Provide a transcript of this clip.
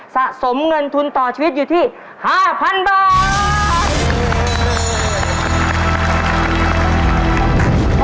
สะสมเงินทุนต่อชีวิตอยู่ที่๕๐๐๐บาท